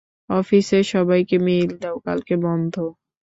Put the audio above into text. অফিসের সবাইকে মেইল দাও, কালকে বন্ধ।